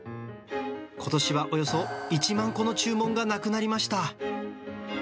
ことしはおよそ１万個の注文がなくなりました。